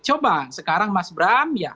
coba sekarang mas bram